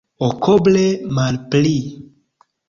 Okoble malpli.